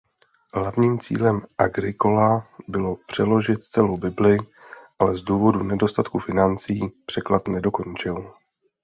Hlavním cílem Agricola bylo přeložit celou Bibli ale z důvodu nedostatku financí překlad nedokončil.